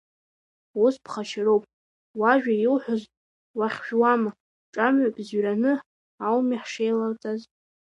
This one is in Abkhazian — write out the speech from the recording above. Ус ԥхашьароуп, уажәа иуҳәаз уахьхәуама, ҿамҩак зжәраны ауми ҳшеилаӡаз.